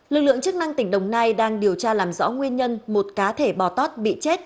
lực lượng chức năng tỉnh đồng nai đang điều tra làm rõ nguyên nhân một cá thể bò tót bị chết